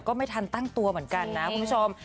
ก็ไม่ทันตั้งตัวเหมือนกันนะคุณผู้ชม